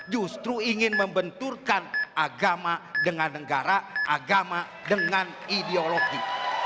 justru ingin membenturkan agama dengan negara agama dengan ideologi